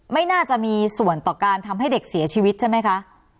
ไม่น่าจะมีส่วนต่อการทำให้เด็กเสียชีวิตใช่ไหมคะ